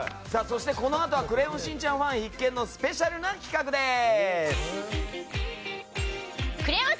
そして、このあとは「クレヨンしんちゃん」ファン必見のスペシャルな企画です。